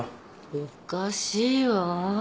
おかしいわ。